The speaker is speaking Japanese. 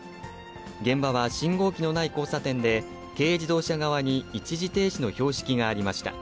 現場は信号機のない交差点で、軽自動車側に一時停止の標識がありました。